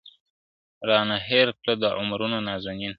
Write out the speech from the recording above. را نه هیر کړه د عمرونو نازنین